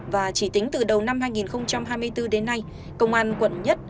và chỉ tính từ đầu năm hai nghìn hai mươi bốn đến nay công an quận một